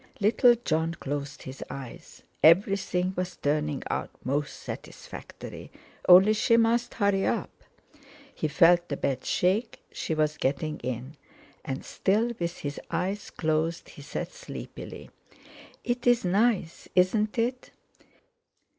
Little Jon closed his eyes. Everything was turning out most satisfactory, only she must hurry up! He felt the bed shake, she was getting in. And, still with his eyes closed, he said sleepily: "It's nice, isn't it?"